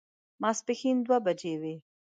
ماسپښين دوه بجې وې.